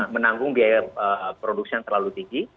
menanggung biaya produksi yang terlalu tinggi